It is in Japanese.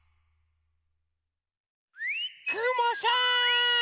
くもさん！